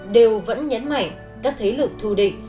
đều vẫn nhấn mạnh các thế lực thù định